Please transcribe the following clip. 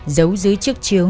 giấu dưới chiếc chiếu